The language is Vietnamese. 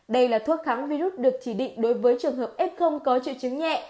đây là thuốc kháng virus được chỉ định đối với trường hợp f có triệu chứng nhẹ